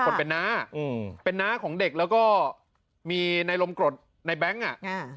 คนเป็นน้าอืมเป็นน้าของเด็กแล้วก็มีในลมกรดในแบงค์อ่ะอ่า